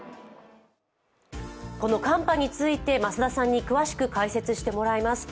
この寒波について増田さんに詳しく解説してもらいます。